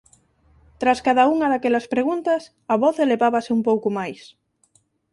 Tras cada unha daquelas preguntas, a voz elevábase un pouco máis…